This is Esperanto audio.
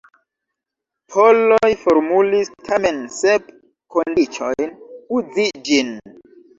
Poloj formulis tamen sep kondiĉojn uzi ĝin.